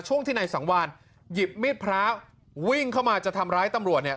ช่วงที่นายสังวานหยิบมีดพระวิ่งเข้ามาจะทำร้ายตำรวจเนี่ย